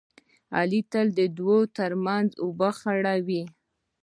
علي تل د دوو ترمنځ اوبه خړوي.